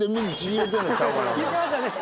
言うてましたね。